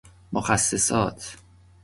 مخصصات